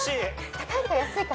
高いか安いか。